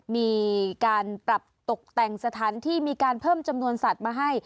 มีการปรับตกแต่งสถานที่มีการเพิ่มจำนวนสัตว์มาให้